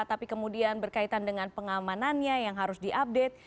tapi kemudian berkaitan dengan pengamanannya yang harus diupdate